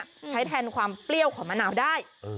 ใช้แทนความเปรี้ยวของมะนาวได้